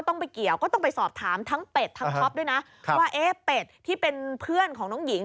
ทั้งเป๊ดทั้งท็อปทั้งออฟแล้วก็น้องหญิง